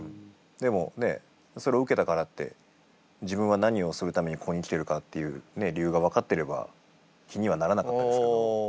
でもねそれを受けたからって自分は何をするためにここに来てるかっていう理由が分かってれば気にはならなかったですけど。